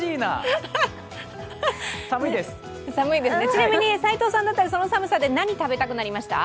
ちなみに齋藤さんだったらその寒さで何食べたくなりました？